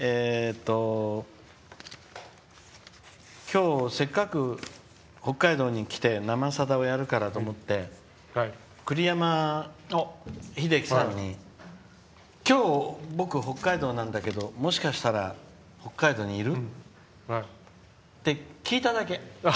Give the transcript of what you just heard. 今日、せっかく北海道に来て「生さだ」をやるからと思って栗山英樹さんに今日、僕北海道なんだけど、もしかしたら北海道にいる？って聞いただけ。